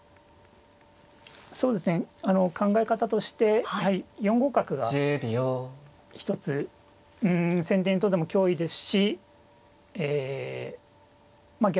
そうですね考え方として４五角が一つうん先手にとっても脅威ですしえまあ